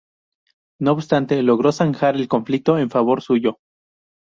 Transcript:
No obstante, logró zanjar el conflicto en favor suyo.